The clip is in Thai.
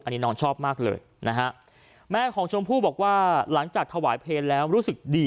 อันนี้น้องชอบมากเลยนะฮะแม่ของชมพู่บอกว่าหลังจากถวายเพลงแล้วรู้สึกดี